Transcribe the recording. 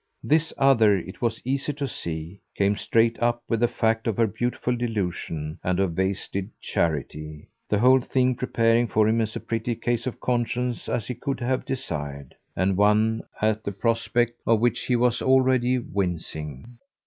This other, it was easy to see, came straight up with the fact of her beautiful delusion and her wasted charity; the whole thing preparing for him as pretty a case of conscience as he could have desired, and one at the prospect of which he was already wincing.